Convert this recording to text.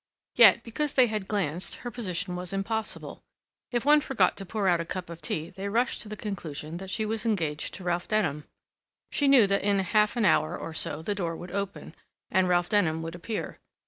Yet, because they had glanced, her position was impossible. If one forgot to pour out a cup of tea they rushed to the conclusion that she was engaged to Ralph Denham. She knew that in half an hour or so the door would open, and Ralph Denham would appear.